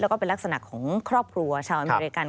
แล้วก็เป็นลักษณะของครอบครัวชาวอเมริกัน